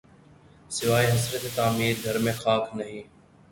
سواے حسرتِ تعمیر‘ گھر میں خاک نہیں